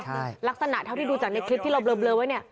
ใช่ลักษณะเท่าที่ดูจากในคลิปที่เราเบลอไว้เนี่ย